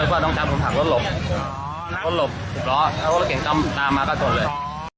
แล้วพอน้องชายถึงหักรถหลบถึงสิบล้อแล้วเข็มตามมาก็ชนเลย